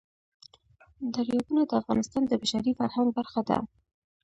دریابونه د افغانستان د بشري فرهنګ برخه ده.